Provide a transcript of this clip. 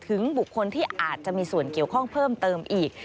บุคคลที่อาจจะมีส่วนเกี่ยวข้องเพิ่มเติมอีก